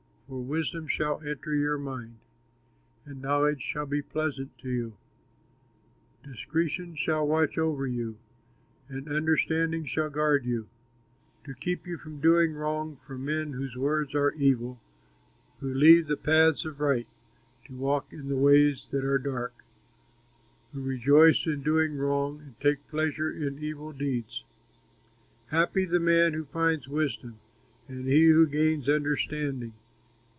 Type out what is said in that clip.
For wisdom shall enter your mind, And knowledge shall be pleasant to you, Discretion shall watch over you, And understanding shall guard you, To keep you from doing wrong, From men whose words are evil, Who leave the paths of right To walk in ways that are dark, Who rejoice in doing wrong, And take pleasure in evil deeds. Happy the man who finds wisdom, And he who gains understanding.